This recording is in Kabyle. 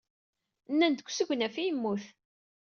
Nnan-d deg usegnaf ay yemmut.